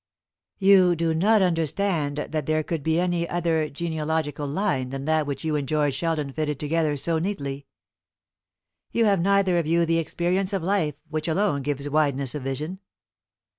"You do not understand that there could be any other genealogical line than that which you and George Sheldon fitted together so neatly. You have neither of you the experience of life which alone gives wideness of vision.